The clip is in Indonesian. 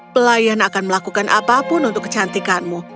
pelayan akan melakukan apapun untuk kecantikanmu